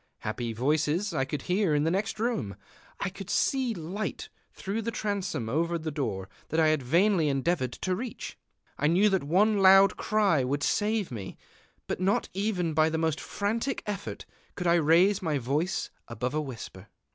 Happy voices I could hear in the next room; I could see light through the transom over the door that I had vainly endeavored to reach; I knew that one loud cry would save me. But not even by the most frantic effort could I raise my voice above a whisper....